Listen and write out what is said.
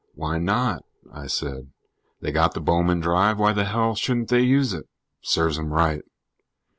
"Why not?" I said. "They got the Bowman Drive, why the hell shouldn't they use it? Serves 'em right."